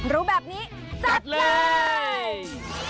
รู้แบบนี้จัดเลย